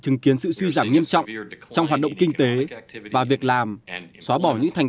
chứng kiến sự suy giảm nghiêm trọng trong hoạt động kinh tế và việc làm xóa bỏ những thành